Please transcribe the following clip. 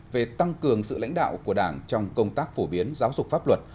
về tăng cường sự lãnh đạo của đảng trong công tác phổ biến giáo dục pháp luật